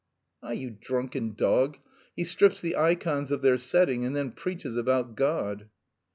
"Ah, you drunken dog! He strips the ikons of their setting and then preaches about God!"